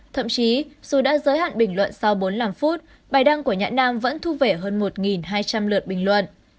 thậm chí dù đã giới hạn bình luận sau bốn mươi năm phút bài đăng của nhã nam vẫn thu về hơn một hai trăm linh lượt bình luận